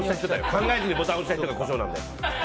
考えずにボタンを押した人がコショウなんだよ。